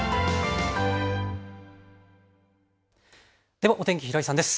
ではお天気、平井さんです。